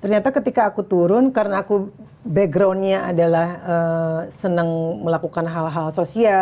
ternyata ketika aku turun karena aku backgroundnya adalah senang melakukan hal hal sosial